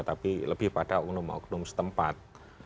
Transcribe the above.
tapi lebih pada unum unum setempat